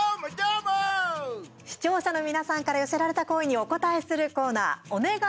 視聴者の皆さんから寄せられた声にお応えするコーナー「おねがい！